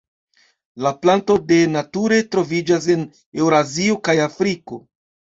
La planto de nature troviĝas en Eŭrazio kaj Afriko.